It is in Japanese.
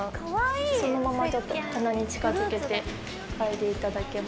そのままちょっと鼻に近づけて嗅いでいただけます。